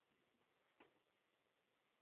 Khanım yi ne vuêzığebor bılımş.